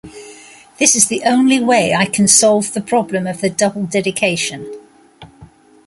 This is the only way I can solve the problem of the double dedication.